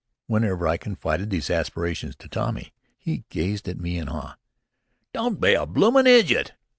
Whenever I confided these aspirations to Tommy he gazed at me in awe. "Don't be a bloomin' ijut!